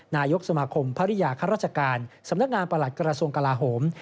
นายกสมาคมภรรยาข้าราชการสำนักงานประหลัดกระทรวงกลาโหม